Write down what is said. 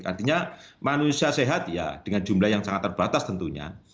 artinya manusia sehat ya dengan jumlah yang sangat terbatas tentunya